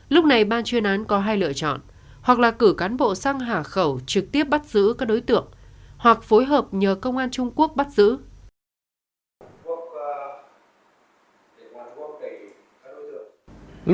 lúc này ban chuyên án có hai lựa chọn hoặc là cử cán bộ sang hà khẩu trực tiếp bắt giữ các đối tượng hoặc phối hợp nhờ công an trung quốc bắt giữ